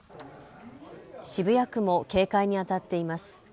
渋谷区も警戒にあたっています。